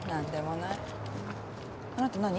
あなた何？